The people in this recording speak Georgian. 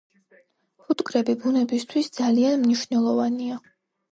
ფუტკრები ბუნებისთვის ძალიან მნიშვნელოვანია